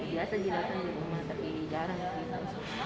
biasa jika ada rumah tapi jarang